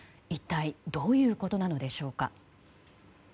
一体どういうことなのでしょうか。